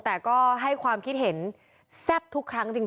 แต่ก็ให้ความคิดเห็นแซ่บทุกครั้งจริง